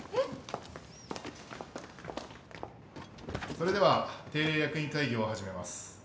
それでは定例役員会議を始めます。